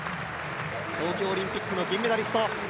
東京オリンピックの銀メダリスト。